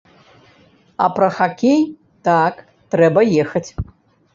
А пра хакей, так, трэба ехаць.